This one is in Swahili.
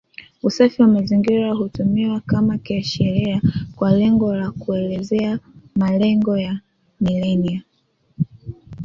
Usafi wa mazingira hutumiwa kama kiashiria kwa lengo la kuelezea malengo ya Milenia